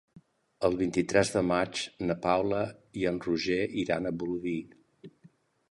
El vint-i-tres de maig na Paula i en Roger iran a Bolvir.